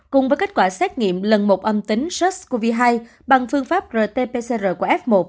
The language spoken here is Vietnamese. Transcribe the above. cùng với kết quả xét nghiệm lần một âm tính sars cov hai bằng phương pháp rt pcr của f một